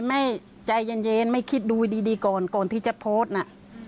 ไม่ใจเย็นไม่คิดดูดีก่อนก่อนที่จะโพสต์น่ะ